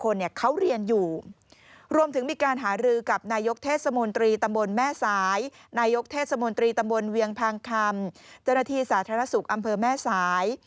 เจ้าหน้าที่สาธารณสุขอำเภอแม่สาย